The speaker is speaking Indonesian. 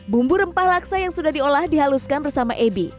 bumbu rempah laksa yang sudah diolah dihaluskan bersama ebi